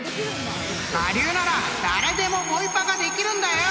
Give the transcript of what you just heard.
［我流なら誰でもボイパができるんだよ！］